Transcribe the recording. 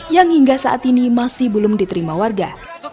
yang hingga saat ini masih belum diterima warga